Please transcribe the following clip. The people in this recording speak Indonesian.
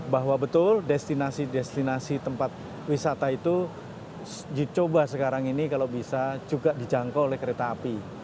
bahwa betul destinasi destinasi tempat wisata itu dicoba sekarang ini kalau bisa juga dijangkau oleh kereta api